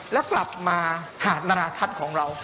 แล้วกลับมาหาดนาราทัศน์ของเรา